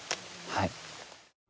はい。